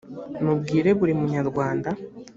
mubwire buri munyarwanda